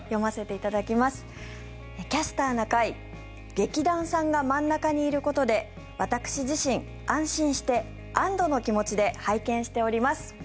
劇団さんが真ん中にいることで私自身、安心して安どの気持ちで拝見しております。